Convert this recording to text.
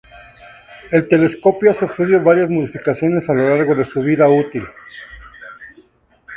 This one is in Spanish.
El telescopio ha sufrido varias modificaciones a lo largo su vida útil.